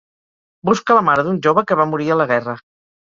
Busca la mare d'un jove que va morir a la guerra.